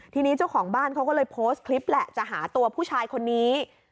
ทีนี้เจ้าของบ้านเขาก็เลยโพสต์คลิปแหละจะหาตัวผู้ชายคนนี้